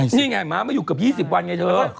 นี่ไงม้ามาอยู่เกือบ๒๐วันไงเธอ